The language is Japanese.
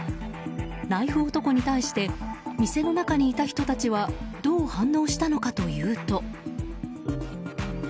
ナイフ男に対して店の中にいた人たちはどう反応したのかというと。